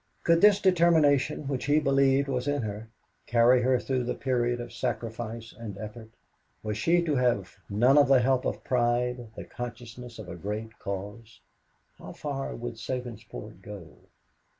Could this determination, which he believed was in her, carry her through the period of sacrifice and effort? Was she to have none of the help of pride, the consciousness of a great cause? How far would Sabinsport go?